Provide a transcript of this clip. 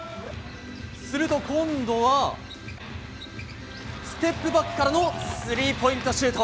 すると、今度はステップバックからのスリーポイントシュート！